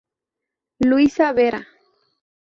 Luisa Vera.